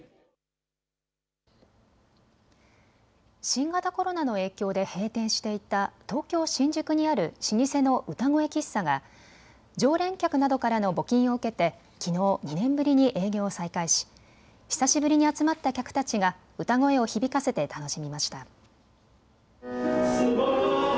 新型コロナの影響で閉店していた東京新宿にある老舗の歌声喫茶が常連客などからの募金を受けてきのう２年ぶりに営業を再開し久しぶりに集まった客たちが歌声を響かせて楽しみました。